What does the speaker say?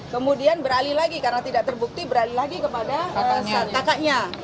kemudian beralih lagi karena tidak terbukti beralih lagi kepada kakaknya